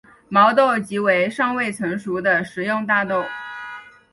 毛豆即为尚未成熟的食用大豆。